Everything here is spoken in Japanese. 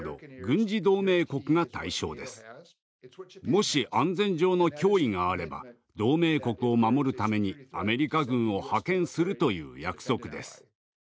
もし安全上の脅威があれば同盟国を守るためにアメリカ軍を派遣するという約束です。